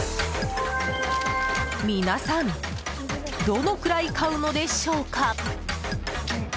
皆さん、どのくらい買うのでしょうか。